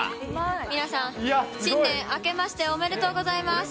皆さん、新年あけましておめでとうございます。